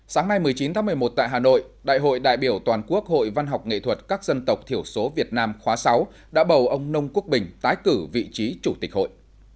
sáng nay một mươi chín tháng một mươi một tại hà nội đại hội đại biểu toàn quốc hội văn học nghệ thuật các dân tộc thiểu số việt nam khóa sáu đã bầu ông nông quốc bình tái cử vị trí chủ tịch hội